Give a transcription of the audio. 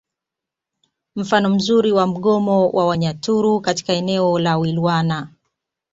Mfano mzuri wa mgomo wa Wanyaturu katika eneo la Wilwana